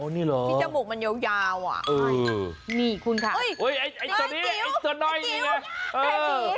อ๋อนี่เหรอนี่จมูกมันยาวอ่ะนี่คุณค่ะอุ๊ยไอ้จิ๋วไอ้จิ๋ว